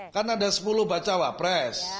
kan ada sepuluh bacawapres